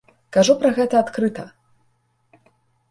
Кажу пра гэта адкрыта.